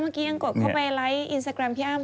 ยังกบเข้าไปไลฟ์อินสตาแกรมพี่อ้ำ